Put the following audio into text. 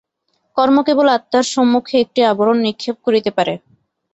কর্ম কেবল আত্মার সম্মুখে একটি আবরণ নিক্ষেপ করিতে পারে।